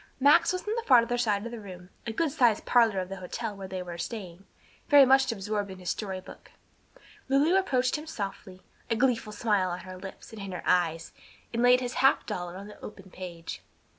Max was on the farther side of the room a good sized parlor of the hotel where they were staying very much absorbed in a story book; Lulu approached him softly, a gleeful smile on her lips and in her eyes, and laid his half dollar on the open page.